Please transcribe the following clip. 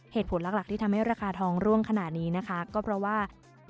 เหตุผลหลักที่ทำให้ราคาทองร่วงขนาดนี้นะคะก็เพราะว่า